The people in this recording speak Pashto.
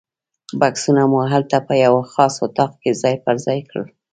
بکسونه مو هلته په یوه خاص اتاق کې ځای پر ځای کړل.